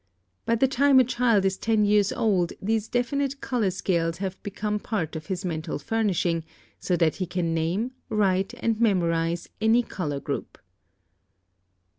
By the time a child is ten years old these definite color scales have become part of his mental furnishing, so that he can name, write, and memorize any color group.